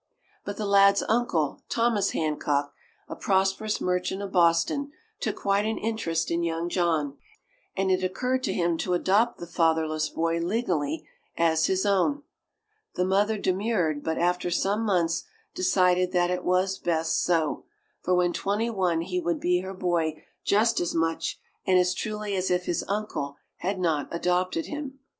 But the lad's uncle, Thomas Hancock, a prosperous merchant of Boston, took quite an interest in young John. And it occurred to him to adopt the fatherless boy, legally, as his own. The mother demurred, but after some months decided that it was best so, for when twenty one he would be her boy just as much and as truly as if his uncle had not adopted him.